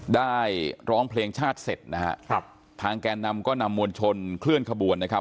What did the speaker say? ได้ร้องเพลงชาติเสร็จนะฮะครับทางแกนนำก็นำมวลชนเคลื่อนขบวนนะครับ